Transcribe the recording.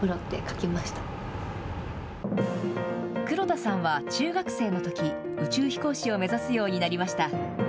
黒田さんは中学生のとき、宇宙飛行士を目指すようになりました。